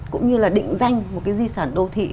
cũng như là định danh một cái di sản đô thị